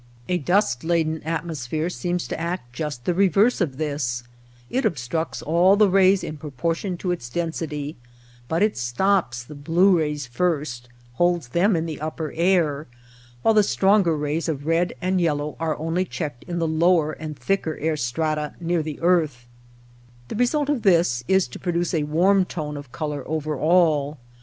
A dust laden atmosphere seems to act just the reverse of this. It obstructs all the rays in proportion to its density, but it stops the blue rays first, holds them in the upper air, while Eefracted rays. Cold colors, how produced. 84 THE DESERT Warm colors. Sky colors. the stronger rays of red and yellow are only checked in the lower and thicker air strata near the earth. The result of this is to pro duce a warm tone of color over all.